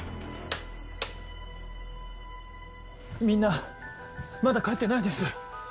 みんなまだ帰ってないんです。